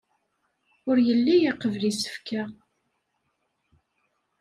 Ur yelli iqebbel isefka.